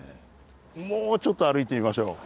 もうちょっと歩いてみましょう。